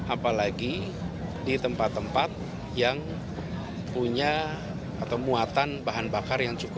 apalagi di tempat tempat yang punya atau muatan bahan bakar yang cukup